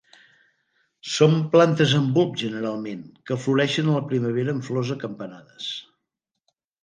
Són plantes amb bulb generalment que floreixen a la primavera amb flors acampanades.